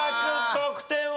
得点は？